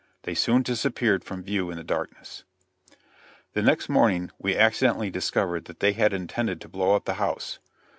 They soon disappeared from view in the darkness. The next morning we accidentally discovered that they had intended to blow up the house.